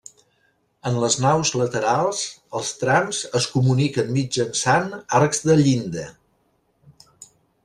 En les naus laterals els trams es comuniquen mitjançant arcs de llinda.